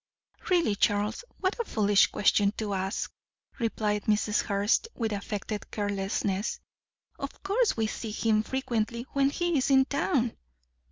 "Really, Charles, what a foolish question to ask," replied Mrs. Hurst, with affected carelessness. "Of course we see him frequently when he is in town."